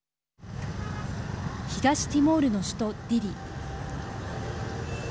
東ティモールの首都ディリ。